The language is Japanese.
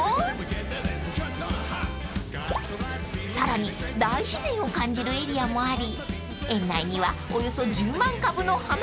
［さらに大自然を感じるエリアもあり園内にはおよそ１０万株の花が咲いています］